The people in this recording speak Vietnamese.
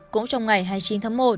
cũng trong ngày hai mươi chín tháng một